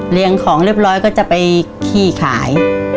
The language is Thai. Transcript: เรียงของเรียบร้อยก็จะไปขี่ขาย